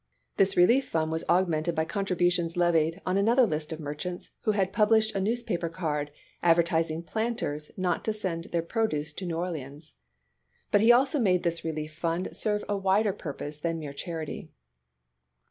This relief fund was augmented by contributions levied NEW OKLEANS 285 on another list of merchants who had published a chap. xvi. newspaper card advising planters not to send their produce to New Orleans. But he also made this relief fund serve a wider purpose than mere charity.